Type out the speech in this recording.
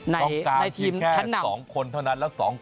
ต้องการที่แค่๒คนเท่านั้น